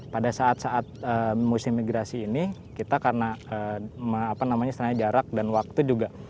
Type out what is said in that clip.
pada saat saat musim migrasi ini kita karena jarak dan waktu juga